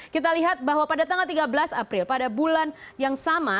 kita lihat bahwa pada tanggal tiga belas april pada bulan yang sama